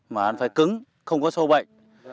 mà phải cứng không có sâu bệnh